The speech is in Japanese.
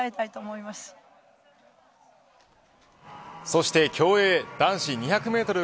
そして競泳男子２００メートル